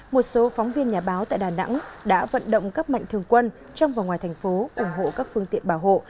một số phóng viên nhà báo tại đà nẵng đã vận động các mạnh thường quân trong và ngoài thành phố ủng hộ các phương tiện bảo hộ